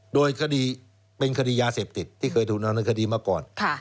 โดยคดีเป็นคดียาเสพติดที่เคยถูกดำเนินคดีมาก่อน